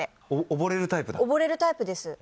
溺れるタイプです。